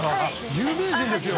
有名人ですよ